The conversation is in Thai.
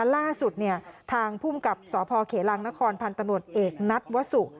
ล่าสุดทางภูมิกับสพเขลังนครพันธมวดเอกนัทวสุ